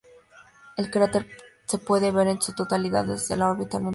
El cráter se puede ver en su totalidad solo desde la órbita lunar.